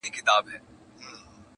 o پورته ډولک، کښته چولک!